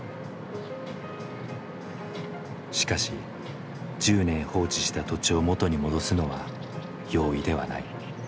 しかし１０年放置した土地を元に戻すのは容易ではない。